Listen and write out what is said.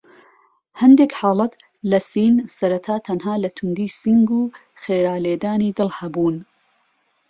هەندێک حاڵەت لە سین سەرەتا تەنها لە توندی سینگ و خێرا لێدانی دڵ هەبوون.